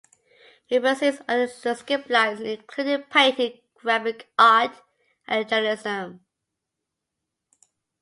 He pursues other disciplines including painting, graphic art, and journalism.